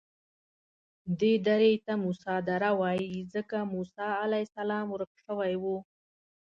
دې درې ته موسی دره وایي ځکه موسی علیه السلام ورک شوی و.